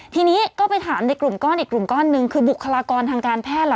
ทีนี้ก็ไปถามในกลุ่มก้อนอีกกลุ่มก้อนหนึ่งคือบุคลากรทางการแพทย์ล่ะ